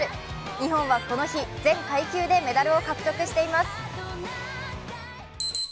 日本はこの日、全階級でメダルを獲得しています。